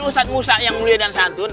ustadz musa yang mulia dan santun